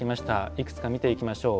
いくつか見ていきましょう。